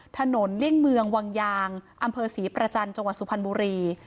เลี่ยงเมืองวังยางอำเภอศรีประจันทร์จังหวัดสุพรรณบุรี